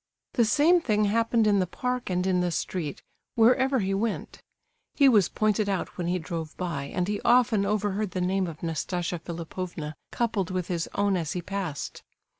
The same thing happened in the park and in the street, wherever he went. He was pointed out when he drove by, and he often overheard the name of Nastasia Philipovna coupled with his own as he passed.